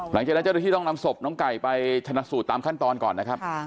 เจ้าหน้าที่ต้องนำศพน้องไก่ไปชนะสูตรตามขั้นตอนก่อนนะครับ